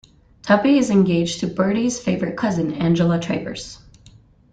Tuppy is engaged to Bertie's favourite cousin, Angela Travers.